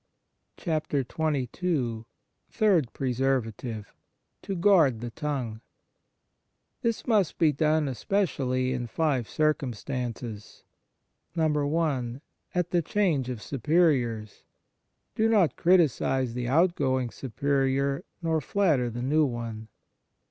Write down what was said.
XXII THIRD PRESERVATIVE To guard the tongue THIS must be done especially in five circum stances: (i) At the change of Superiors. Do not criticize the outgoing Superior nor flatter the new one.